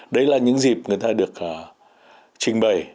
đấy là những dịp người ta được trình bày